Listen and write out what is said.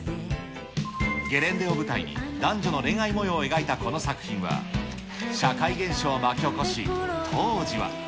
ゲレンデを舞台に、男女の恋愛もようを描いたこの作品は、社会現象を巻き起こし、当時は。